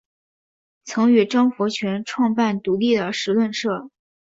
曾与张佛泉创办独立时论社。